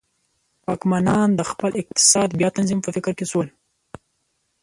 واکمنان د خپل اقتصاد بیا تنظیم په فکر کې شول.